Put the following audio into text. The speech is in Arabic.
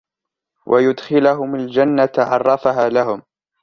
ويدخلهم الجنة عرفها لهم